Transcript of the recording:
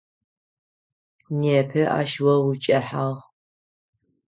Непэ ащ о укӏэхьагъ.